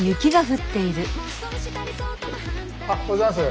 おはようございます。